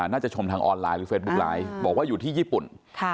ชมทางออนไลน์หรือเฟซบุ๊คไลฟ์บอกว่าอยู่ที่ญี่ปุ่น